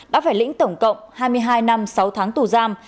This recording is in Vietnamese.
đã phải lĩnh tổng cộng hai mươi hai năm sáu tháng tù giam